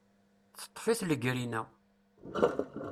Teṭṭef-it legrina.